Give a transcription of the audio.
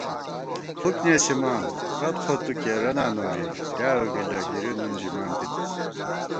فُک نېسِمان رت خو تُو کېرہ نا نوری ڈیائېؤ گِلہ گِری نُن ژِمان تِتہ